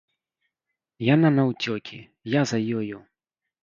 Яна наўцёкі, я за ёю.